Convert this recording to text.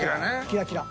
キラキラ。